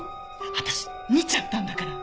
私見ちゃったんだから。